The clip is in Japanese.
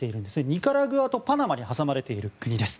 ニカラグアとパナマに挟まれている国です。